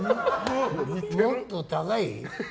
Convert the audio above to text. もっと高い？